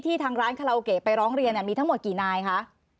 ทางร้านคาราโอเกะไปร้องเรียนมีทั้งหมดกี่นายคะ